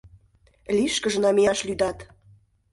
Лишкыже намияш лӱдат.